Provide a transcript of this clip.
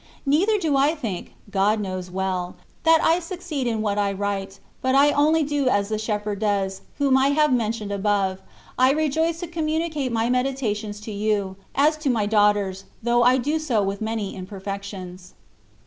Neither do I think (God knows well) that I succeed in what I write ; but I only do as the shepherd does, whom I have mentioned above ; I rejoice to communicate my meditations to you, as to my daughters, though I do so with many imperfections.